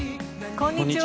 こんにちは。